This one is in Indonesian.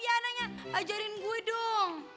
piananya ajarin gue dong